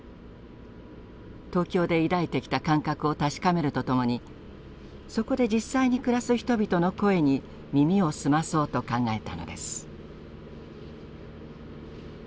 東京で抱いてきた感覚を確かめるとともにそこで実際に暮らす人々の声に耳を澄まそうと考えたのです。